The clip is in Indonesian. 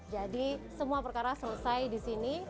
jadi semua perkara selesai di sini